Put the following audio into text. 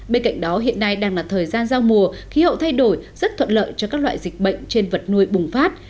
bên cạnh đó hiện nay đang là thời gian giao mùa khí hậu thay đổi rất thuận lợi cho các loại dịch bệnh trên vật nuôi bùng phát